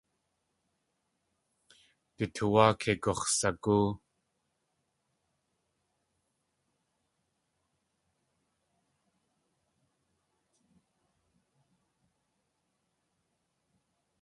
Du tuwáa kei gux̲sagóo.